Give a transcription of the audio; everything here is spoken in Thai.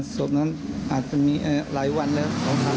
ศพนั้นอาจจะมีหลายวันแล้ว